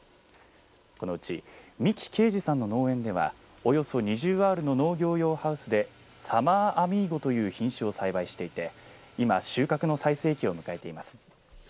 このうち三木敬治さんの農園ではおよそ２０アールの農業用ハウスでサマーアミーゴという品種を栽培していて今収穫の最盛期を迎えています。